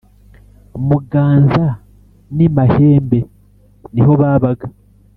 muganza n’i mahembe niho babaga